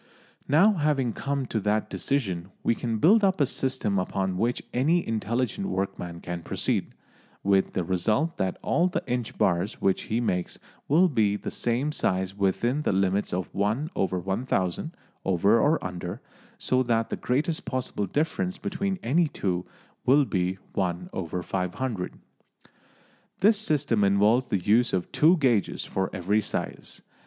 Now, having come to that decision, we can build up a system upon which any intelligent workman can proceed, with the result that all the inch bars which he makes will be the same size within the limits of 1/1000 over or under, so that the greatest possible difference between any two will be 1/500. This system involves the use of two gauges for every size.